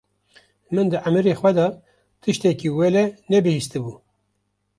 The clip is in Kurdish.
Min di emirê xwe de tiştekî welê ne bihîsti bû.